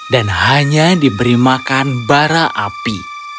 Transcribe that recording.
dan hanya diberi makan bara api